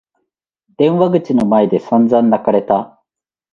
電話口の前で散々泣かれた。